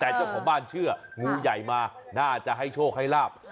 แต่เจ้าของบ้านเชื่องูใหญ่มาน่าจะให้โชคให้ลาบ